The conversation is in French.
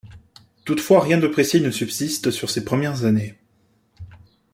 Toutefois rien de précis ne subsiste sur ces premières années.